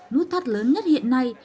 nút thắt lớn nhất hiện nay